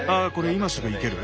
今すぐ生ける？